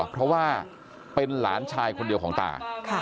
เพราะว่าเป็นหลานชายคนเดียวของตา